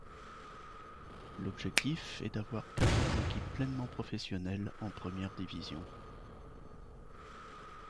L'objectif est d'avoir quatorze équipes pleinement professionnelles en première division.